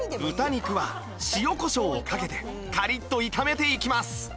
豚肉は塩こしょうをかけてカリッと炒めていきます